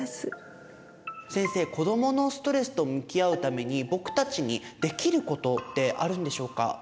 先生子どものストレスと向き合うために僕たちにできることってあるんでしょうか？